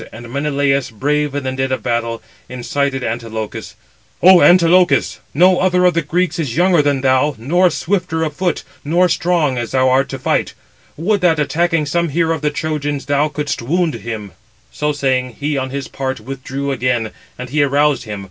And Menelaus, brave in the din of battle, incited Antilochus: "O Antilochus, no other of the Greeks is younger than thou, nor swifter of foot, nor strong, as thou [art], to fight. Would 499 that, attacking some hero of the Trojans, thou couldst wound him." Footnote 499: (return) Εἰ is put for εἴθε. So saying, he on his part withdrew again, and he aroused him.